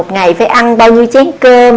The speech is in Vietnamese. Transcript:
một ngày phải ăn bao nhiêu chén cơm